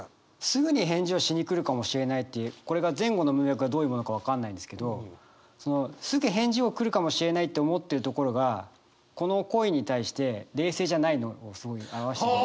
「すぐに返事をしにくるかもしれない」っていうこれが前後の文脈がどういうものか分かんないんですけどすぐ返事を来るかもしれないって思ってるところがこの恋に対して冷静じゃないのをすごい表してる。